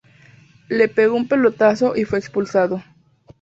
Le pegó un pelotazo y fue expulsado.